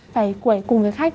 phải quẩy cùng với khách